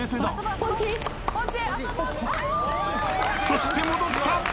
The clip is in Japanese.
そして戻った。